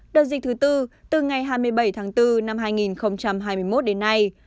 đợt dịch thứ tư từ ngày hai mươi bảy tháng bốn năm hai nghìn hai mươi một đến nay